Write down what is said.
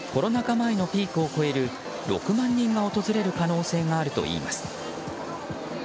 前のピークを越える６万人が訪れる可能性があるといいます。